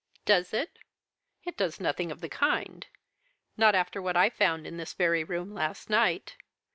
"Does it? It does nothing of the kind. Not after what I found in this very room last night.